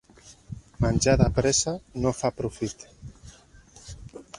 Menjar de pressa no fa profit.